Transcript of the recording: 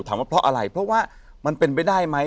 ว่าเพราะอะไรเพราะว่ามันเป็นไปได้ไหม